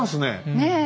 ねえ。